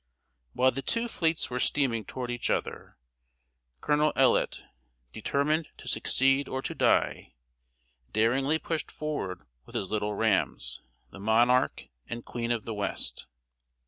] While the two fleets were steaming toward each other, Colonel Ellet, determined to succeed or to die, daringly pushed forward with his little rams, the Monarch and Queen of the West.